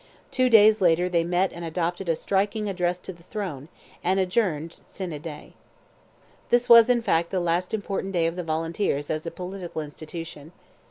Two days later they met and adopted a striking address to the throne, and adjourned sine die. This was, in fact, the last important day of the Volunteers as a political institution.